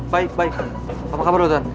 baik baik apa kabar ustadz